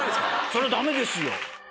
そりゃダメですよ。